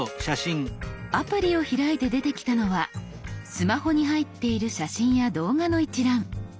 アプリを開いて出てきたのはスマホに入っている写真や動画の一覧。